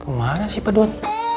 kemana sih pedot